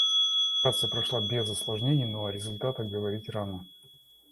Операция прошла без осложнений, но о результатах говорить рано.